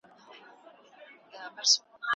کړکۍ د بیدارۍ په حال کې ښوري.